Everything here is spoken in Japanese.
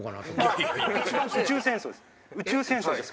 宇宙戦争です。